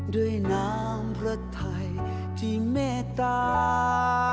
ด้วยน้ำพระไทยที่เลิศลำ